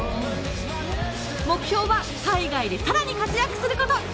目標は海外で更に活躍すること！